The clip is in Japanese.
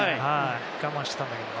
我慢してたんだけどな。